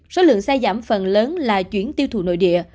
số lượng xe giảm phần lớn là chuyển tiêu thụ nội địa